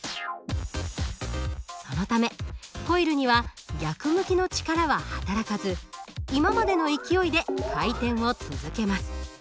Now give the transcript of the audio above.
そのためコイルには逆向きの力は働かず今までの勢いで回転を続けます。